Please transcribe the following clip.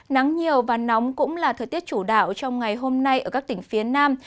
nắng nhiều và nóng cũng là thời tiết chủ đạo trong ngày hôm nay ở các tỉnh phía nam